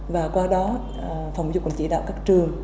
và qua đó phòng giáo dục còn chỉ đạo các trường